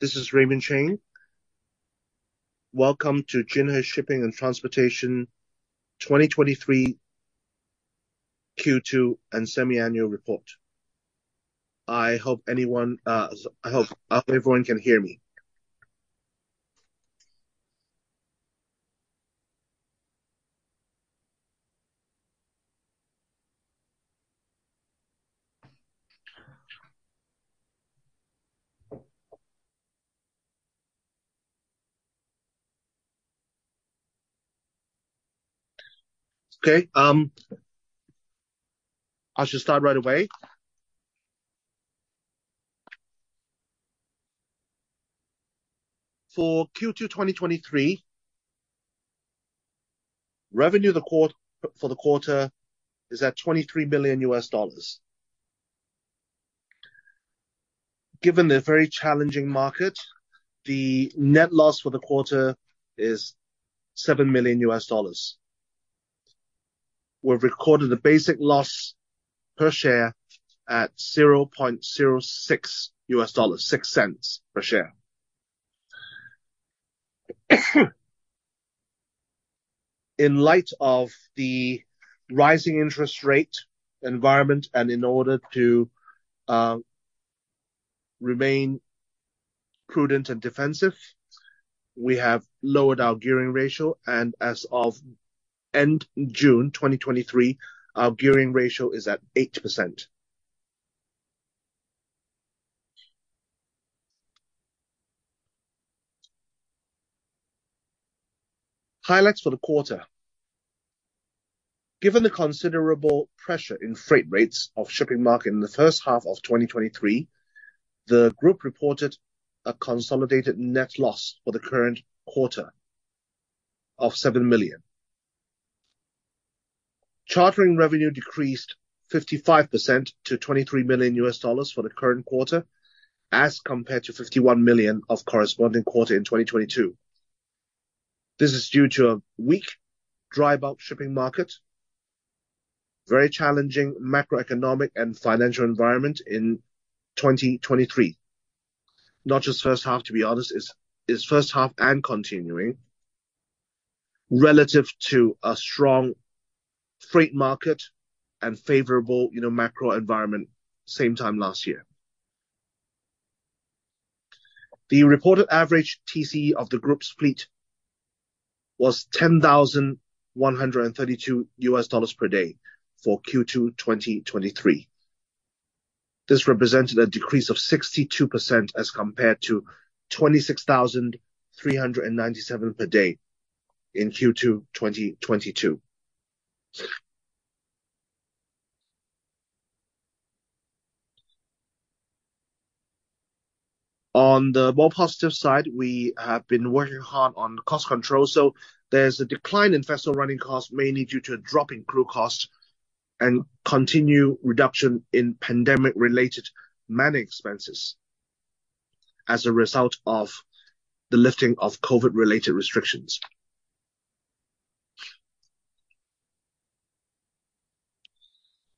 This is Raymond Ching. Welcome to Jinhui Shipping and Transportation 2023 Q2 and semi-annual report. I hope anyone, I hope everyone can hear me. Okay, I should start right away. For Q2, 2023, revenue for the quarter is at $23 million. Given the very challenging market, the net loss for the quarter is $7 million. We've recorded a basic loss per share at $0.06, six cents per share. In light of the rising interest rate environment and in order to remain prudent and defensive, we have lowered our gearing ratio, and as of end June 2023, our gearing ratio is at 8%. Highlights for the quarter. Given the considerable pressure in freight rates of shipping market in the first half of 2023, the group reported a consolidated net loss for the current quarter of $7 million. Chartering revenue decreased 55% to $23 million for the current quarter, as compared to $51 million of corresponding quarter in 2022. This is due to a weak dry bulk shipping market, very challenging macroeconomic and financial environment in 2023. Not just first half, to be honest, it's first half and continuing relative to a strong freight market and favorable, you know, macro environment, same time last year. The reported average TCE of the group's fleet was $10,132 per day for Q2 2023. This represented a decrease of 62% as compared to $26,397 per day in Q2 2022. On the more positive side, we have been working hard on cost control, so there's a decline in vessel running costs, mainly due to a drop in crew costs and continued reduction in pandemic-related manning expenses as a result of the lifting of COVID-related restrictions.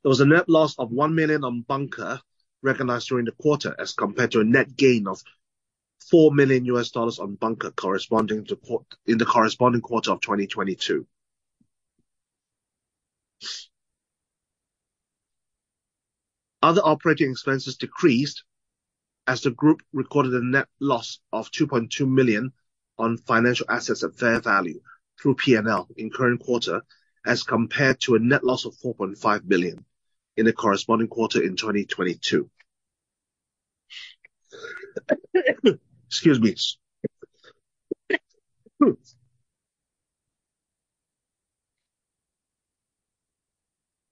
There was a net loss of $1 million on bunker recognized during the quarter, as compared to a net gain of $4 million on bunker in the corresponding quarter of 2022. Other operating expenses decreased as the group recorded a net loss of $2.2 million on financial assets at fair value through P&L in current quarter, as compared to a net loss of $4.5 million in the corresponding quarter in 2022. Excuse me.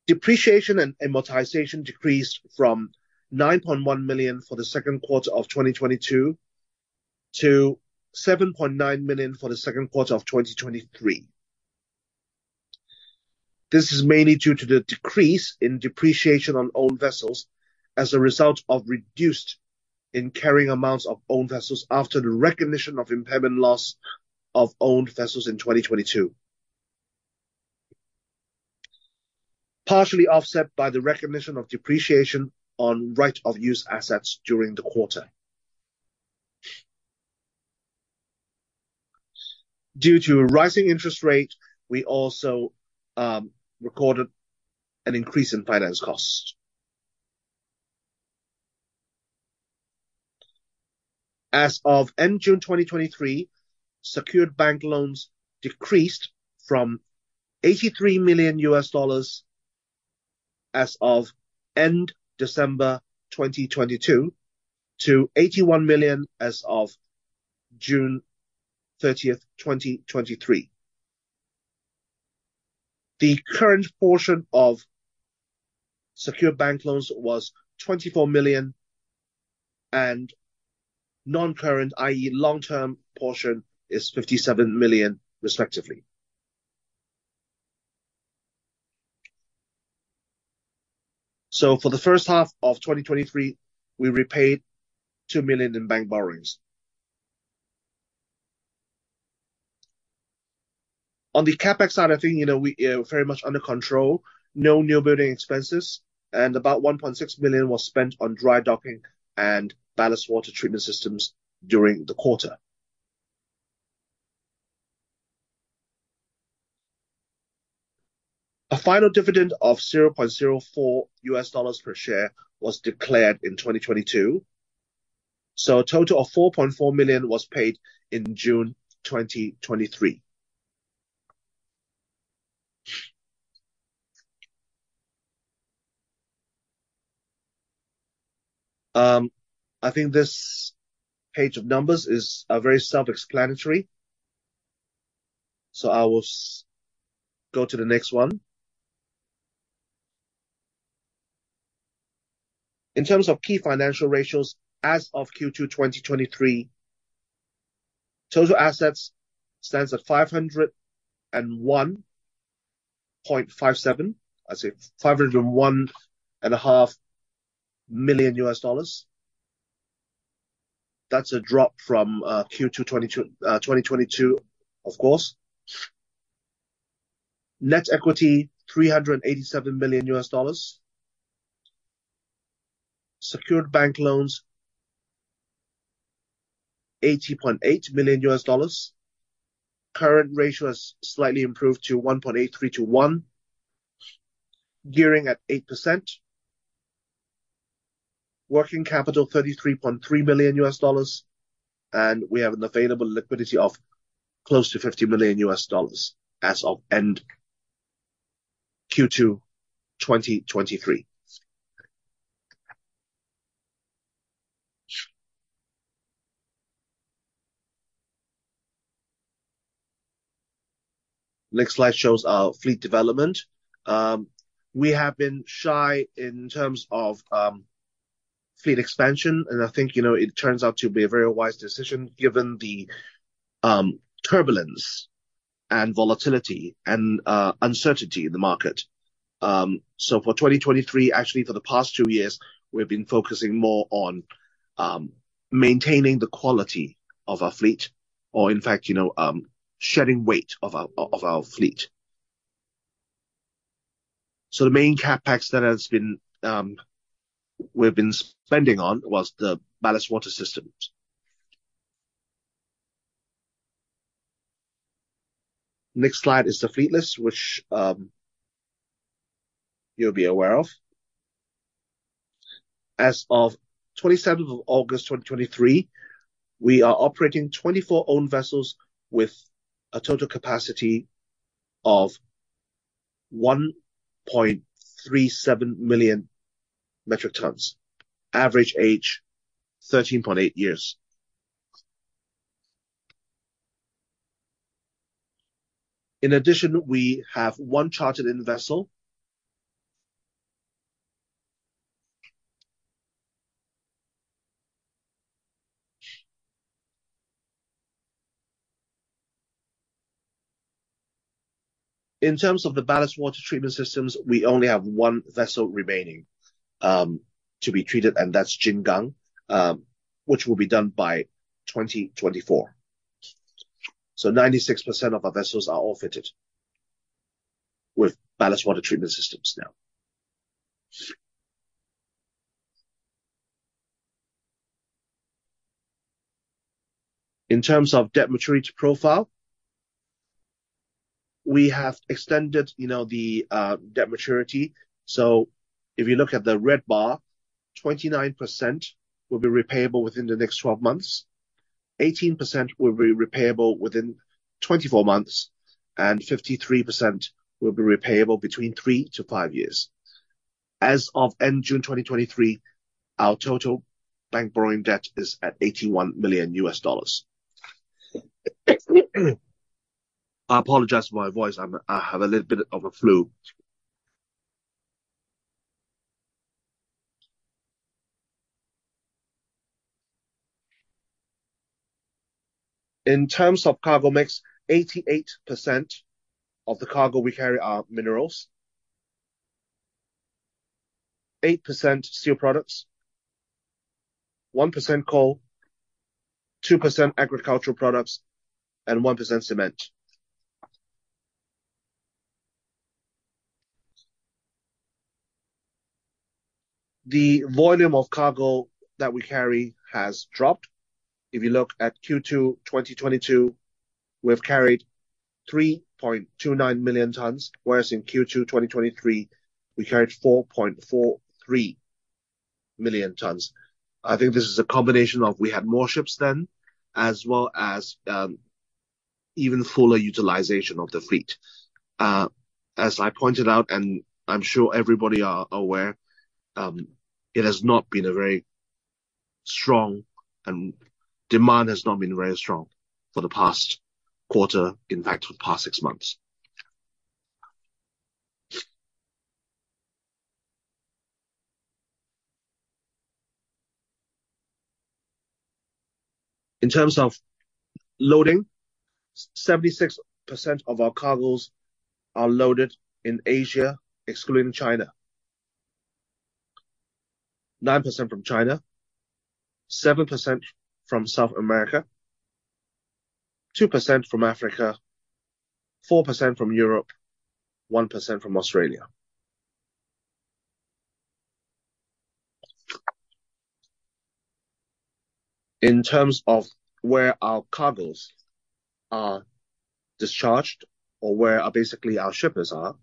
Depreciation and amortization decreased from $9.1 million for the second quarter of 2022 to $7.9 million for the second quarter of 2023. This is mainly due to the decrease in depreciation on owned vessels as a result of reduced in carrying amounts of owned vessels after the recognition of impairment loss of owned vessels in 2022. Partially offset by the recognition of depreciation on right-of-use assets during the quarter. Due to a rising interest rate, we also recorded an increase in finance costs. As of end June 2023, secured bank loans decreased from $83 million as of end December 2022 to $81 million as of June thirtieth, 2023. The current portion of secured bank loans was $24 million and non-current, i.e., long-term portion, is $57 million respectively. So for the first half of 2023, we repaid $2 million in bank borrowings. On the CapEx side, I think, you know, we very much under control. No newbuilding expenses, and about $1.6 million was spent on dry docking and ballast water treatment systems during the quarter. A final dividend of $0.004 per share was declared in 2022, so a total of $4.4 million was paid in June 2023. I think this page of numbers is very self-explanatory, so I will go to the next one. In terms of key financial ratios, as of Q2 2023, total assets stands at 501.57. I say $501.5 million. That's a drop from Q2 2022, 2022, of course. Net equity, $387 million. Secured bank loans, $80.8 million. Current ratio has slightly improved to 1.83 to 1, gearing at 8%. Working capital, $33.3 million, and we have an available liquidity of close to $50 million as of end Q2 2023. Next slide shows our fleet development. We have been shy in terms of, fleet expansion, and I think, you know, it turns out to be a very wise decision, given the, turbulence and volatility and, uncertainty in the market. So for 2023, actually, for the past two years, we've been focusing more on, maintaining the quality of our fleet, or in fact, you know, shedding weight of our, of our fleet. So the main CapEx that has been, we've been spending on was the ballast water systems. Next slide is the fleet list, which, you'll be aware of. As of 27th of August, 2023, we are operating 24 owned vessels with a total capacity of 1.37 million metric tons. Average age, 13.8 years. In addition, we have one chartered-in vessel. In terms of the ballast water treatment systems, we only have one vessel remaining, to be treated, and that's Jin Gang, which will be done by 2024. So 96% of our vessels are all fitted with ballast water treatment systems now. In terms of debt maturity profile, we have extended, you know, the, debt maturity. So if you look at the red bar, 29% will be repayable within the next 12 months. 18% will be repayable within 24 months, and 53% will be repayable between three to five years. As of end June 2023, our total bank borrowing debt is at $81 million. I apologize for my voice. I'm, I have a little bit of a flu. In terms of cargo mix, 88% of the cargo we carry are minerals, 8% steel products, 1% coal, 2% agricultural products, and 1% cement. The volume of cargo that we carry has dropped. If you look at Q2 2022, we've carried 3.29 million tons, whereas in Q2 2023, we carried 4.43 million tons. I think this is a combination of we had more ships then, as well as, even fuller utilization of the fleet. As I pointed out, and I'm sure everybody are aware, it has not been a very strong and demand has not been very strong for the past quarter, in fact, for the past six months. In terms of loading, 76% of our cargoes are loaded in Asia, excluding China. Nine percent from China, 7% from South America, 2% from Africa, 4% from Europe, 1% from Australia. In terms of where our cargoes are discharged or where are basically our shippers are,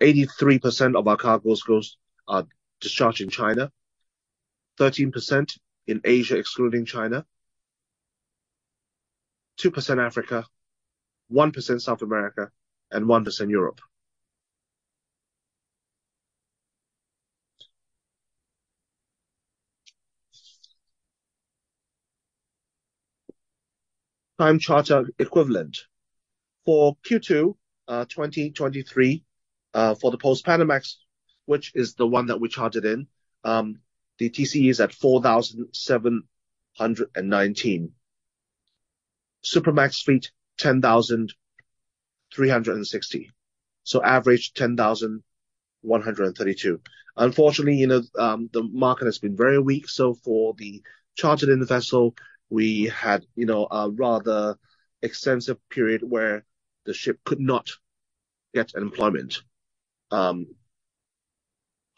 83% of our cargoes goes, are discharged in China, 13% in Asia, excluding China, 2% Africa, 1% South America, and 1% Europe. Time Charter Equivalent. For Q2 2023, for the Post-Panamax, which is the one that we chartered in, the TCE is at $4,719. Supramax fleet, 10,360, so average 10,132. Unfortunately, you know, the market has been very weak, so for the chartered-in vessel, we had, you know, a rather extensive period where the ship could not get employment.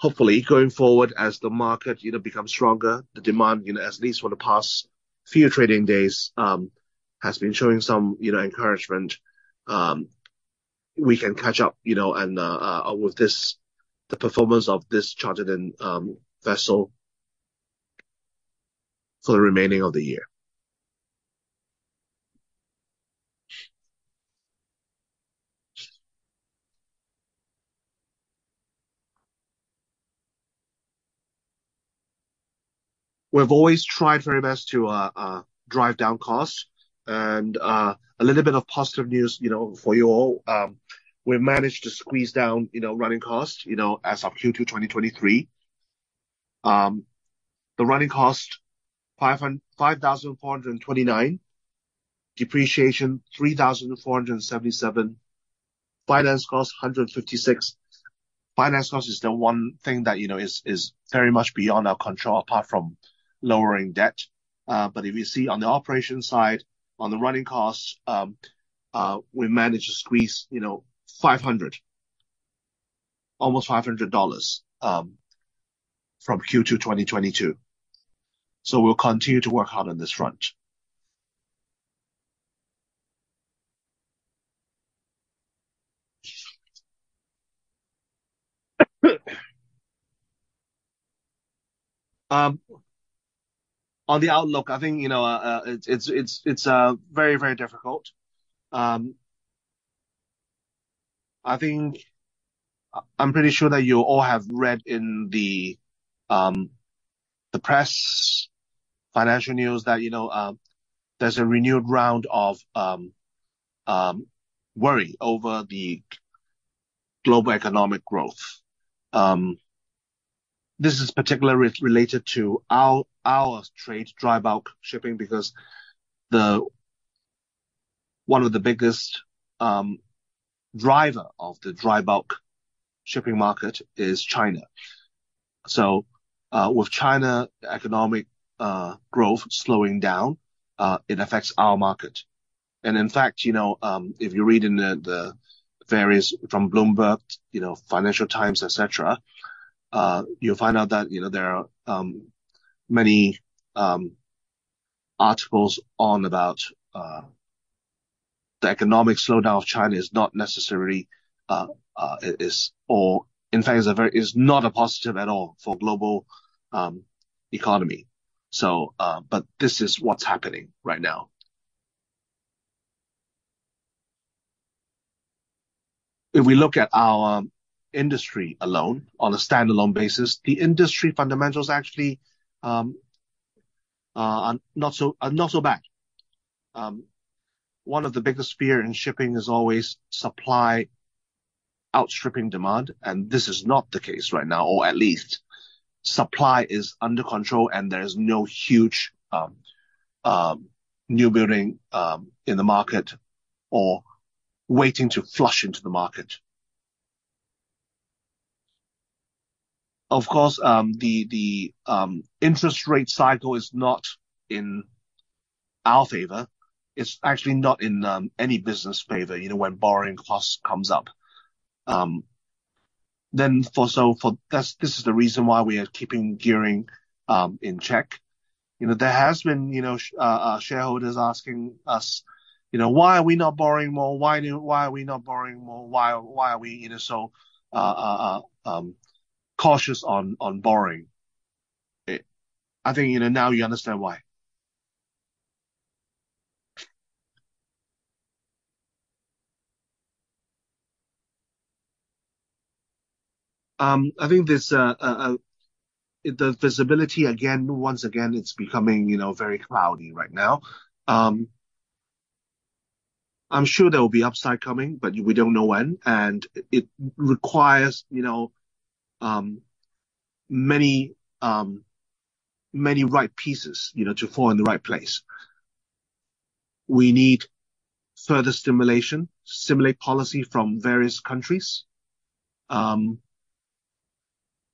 Hopefully, going forward as the market, you know, becomes stronger, the demand, you know, at least for the past few trading days, has been showing some, you know, encouragement, we can catch up, you know, and with this, the performance of this chartered-in vessel for the remaining of the year. We've always tried very best to drive down costs and, a little bit of positive news, you know, for you all. We've managed to squeeze down, you know, running costs, you know, as of Q2 2023. The running cost, $5,429, depreciation, $3,477, finance cost, $156. Finance cost is the one thing that, you know, is, is very much beyond our control, apart from lowering debt. But if you see on the operation side, on the running costs, we managed to squeeze, you know, $500, almost $500 from Q2 2022. So we'll continue to work hard on this front. On the outlook, I think, you know, it's very, very difficult. I think I'm pretty sure that you all have read in the press, financial news that, you know, there's a renewed round of worry over the global economic growth. This is particularly related to our trade, dry bulk shipping, because one of the biggest driver of the dry bulk shipping market is China. So, with China economic growth slowing down, it affects our market. And in fact, you know, if you read in the various from Bloomberg, you know, Financial Times, et cetera, you'll find out that, you know, there are many articles about the economic slowdown of China is not necessarily or in fact is not a positive at all for global economy. So, but this is what's happening right now. If we look at our industry alone, on a standalone basis, the industry fundamentals actually are not so bad. One of the biggest fear in shipping is always supply outstripping demand, and this is not the case right now, or at least supply is under control and there is no huge newbuilding in the market or waiting to flush into the market. Of course, the interest rate cycle is not in our favor. It's actually not in any business favor, you know, when borrowing costs comes up. This is the reason why we are keeping gearing in check. You know, there has been shareholders asking us, you know, "Why are we not borrowing more? Why are we not borrowing more? Why are we, you know, so cautious on borrowing?" I think, you know, now you understand why. I think there's the visibility again, once again, it's becoming, you know, very cloudy right now. I'm sure there will be upside coming, but we don't know when, and it requires, you know, many, many right pieces, you know, to fall in the right place. We need further stimulation, stimulate policy from various countries,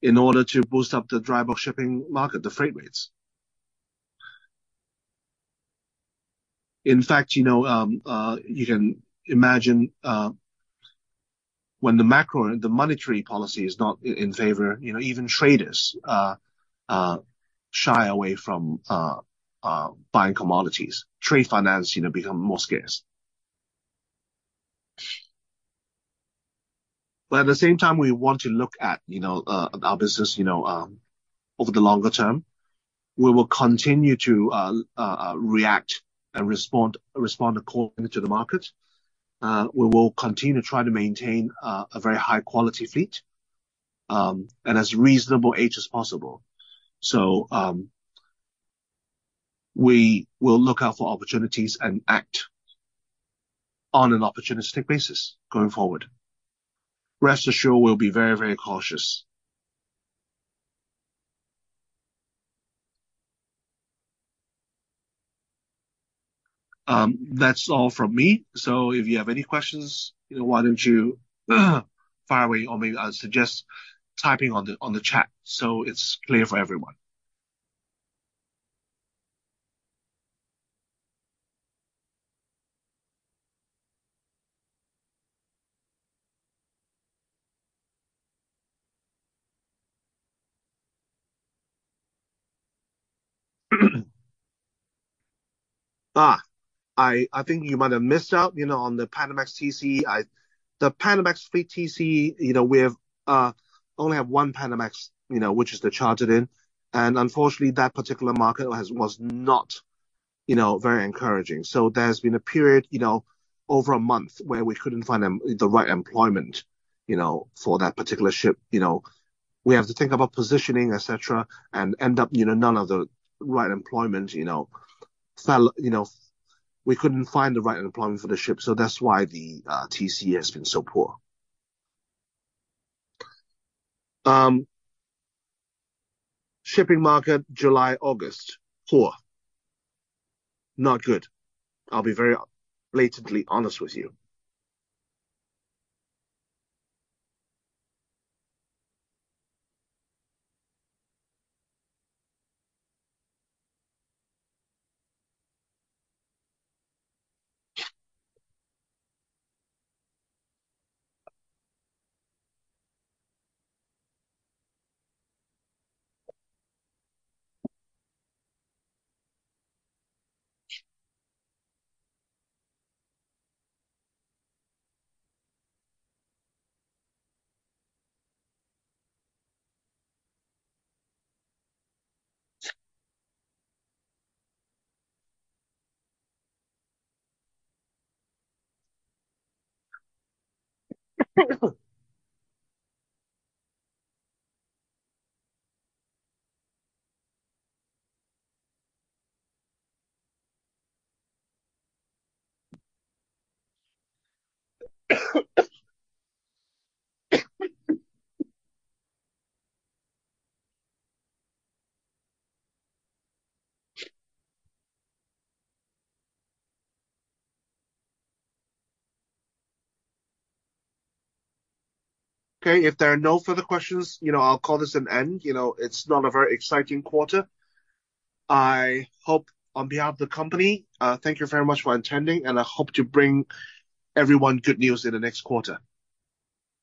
in order to boost up the dry bulk shipping market, the freight rates. In fact, you know, you can imagine, when the macro, the monetary policy is not in, in favor, you know, even traders, shy away from, buying commodities. Trade finance, you know, become more scarce. But at the same time, we want to look at, you know, our business, you know, over the longer term. We will continue to react and respond according to the market. We will continue to try to maintain a very high quality fleet and as reasonable age as possible. We will look out for opportunities and act on an opportunistic basis going forward. Rest assured, we'll be very, very cautious. That's all from me. So if you have any questions, you know, why don't you fire away, or maybe I'll suggest typing on the chat, so it's clear for everyone? Ah, I think you might have missed out, you know, on the Panamax TC. The Panamax fleet TC, you know, we have only have one Panamax, you know, which is the chartered in, and unfortunately, that particular market was not, you know, very encouraging. So there's been a period, you know, over a month, where we couldn't find the right employment, you know, for that particular ship. You know, we have to think about positioning, et cetera, and end up, you know, none of the right employment, you know, fell, you know... We couldn't find the right employment for the ship, so that's why the TC has been so poor. Shipping market, July, August, poor. Not good. I'll be very blatantly honest with you. Okay, if there are no further questions, you know, I'll call this an end. You know, it's not a very exciting quarter. I hope on behalf of the company, thank you very much for attending, and I hope to bring everyone good news in the next quarter.